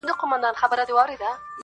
خو څوک يې مرسته نه کوي،